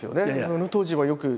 あの当時はよく。